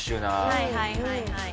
はいはいはいはい。